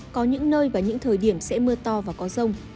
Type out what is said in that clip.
có những nơi và những thời điểm sẽ mưa to và có rông